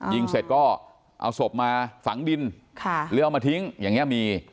ยิงเสร็จก็เอาศพมาฝังดินแล้วเอามาทิ้งอย่างนี้มี